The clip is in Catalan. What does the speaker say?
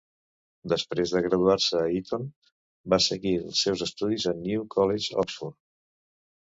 Després de graduar-se a Eton, va seguir els seus estudis al New College, Oxford.